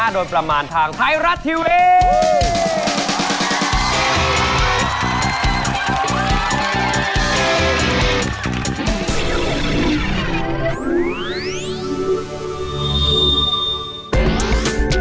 โดยประมาณทางไทยรัฐทีวี